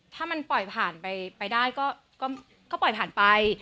ถ้ามันปล่อยผ่านไปได้ก็ปล่อยผ่านไป